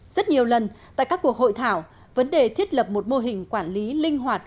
rất nhiều lần tại các cuộc hội thảo vấn đề thiết lập một mô hình quản lý linh hoạt